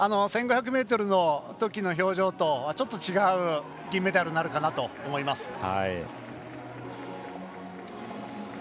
１５００ｍのときの表情とはちょっと違う銀メダルになるかと思います。